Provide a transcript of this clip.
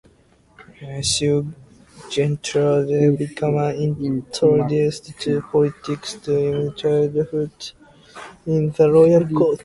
Thus, Gertrude became introduced to politics during her childhood in the royal court.